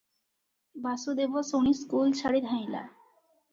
ବାସୁଦେବ ଶୁଣି ସ୍କୁଲ ଛାଡ଼ି ଧାଇଁଲା ।